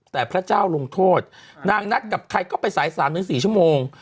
แต่พระเจ้าลงโทษนางนัดกับใครก็ไปสาย๓๔ชั่วโมง